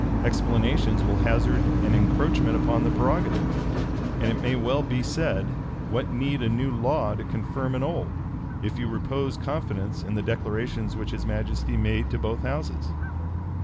Explanations will hazard an encroachment upon the prerogative; and it may well be said, What need a new law to confirm an old, if you repose confidence in the declarations which his majesty made to both houses?"